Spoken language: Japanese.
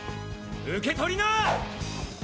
受け取りな！